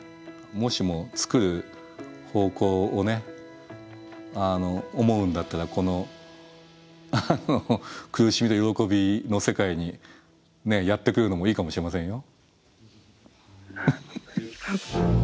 もしも作る方向を思うんだったらこの苦しみと喜びの世界にやって来るのもいいかもしれませんよ。